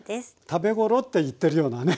食べ頃って言ってるようなね